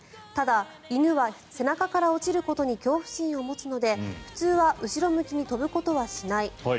ただ犬は背中から落ちることに恐怖心を持つので普通は後ろ向きに跳ぶことはしない。